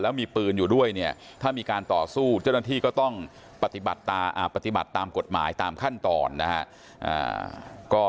แล้วมีปืนอยู่ด้วยเนี่ยถ้ามีการต่อสู้เสามาที่ก็ต้องปฏิบัติตามกฏหมายตามขั้นตอนก็ตอนนี้ได้ขออนุมัติฉาญออกหมายจับแล้วนะครับ